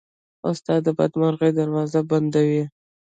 استاد د بدمرغۍ دروازې بندوي.